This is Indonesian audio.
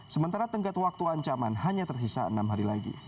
sementara tenggat waktu ancaman hanya tersisa enam hari lagi